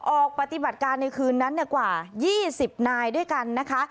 ออกปฏิบัติการในคืนนั้นกว่า๒๐นายด้วยกันนะคะ